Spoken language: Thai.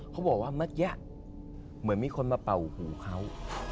เขาบอกว่าเมื่อกี้เหมือนมีคนมาเป่าหูเขา